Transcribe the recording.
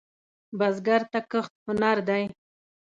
بزګر ته کښت هنر دی